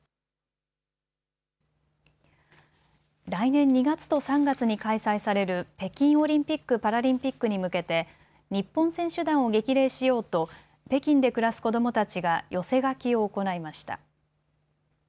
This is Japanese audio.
来年２月と３月に開催される北京オリンピック・パラリンピックに向けて日本選手団を激励しようと北京で暮らす子どもたちが寄せ書きを行いました。